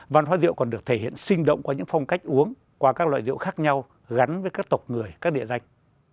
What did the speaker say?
văn hóa rượu còn được thể hiện sinh động qua những phong cách uống qua các loại rượu khác nhau gắn với các tộc người các địa danh